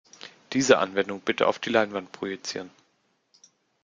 Diese Anwendung bitte auf die Leinwand projizieren.